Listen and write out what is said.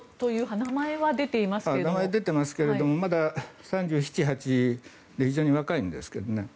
名前は出ていますがまだ３７３８で非常に若いんですけどね。